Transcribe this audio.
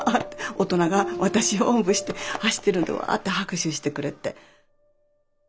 大人が私をおんぶして走ってるのをわって拍手してくれて。